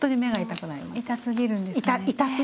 痛すぎるんですね。